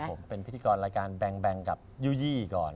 ผมเป็นพิธีกรรายการแบงกับยู่ยี่ก่อน